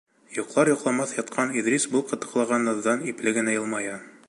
Йоҡлар-йоҡламаҫ ятҡан Иҙрис был ҡытыҡлаған наҙҙан ипле генә йылмая.